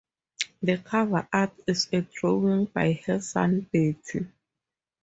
The cover art is a drawing by her son Bertie.